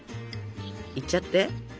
いっちゃって。